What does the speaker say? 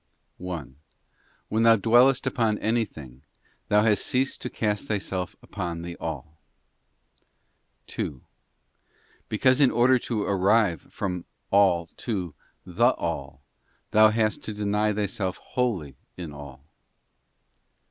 1. When thou dwellest upon anything, thou hast ceased to cast thyself upon the All. 2. Because in order to arrive from all to the All, thou hast : to deny thyself wholly in all.